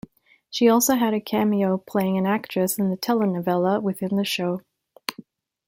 She also had a cameo playing an actress in the telenovela within the show.